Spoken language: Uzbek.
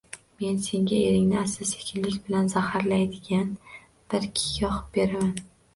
Men senga eringni asta-sekinlik bilan zaharlaydigan bir giyoh beraman